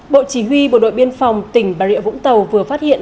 bộ chỉ huy bộ đội biên phòng tỉnh bà rịa vũng tàu vừa phát hiện